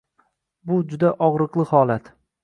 Bu juda og‘riqli holat